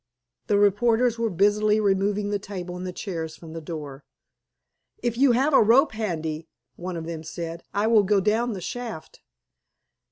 The reporters were busily removing the table and chairs from the door. "If you have a rope handy," one of them said, "I will go down the shaft."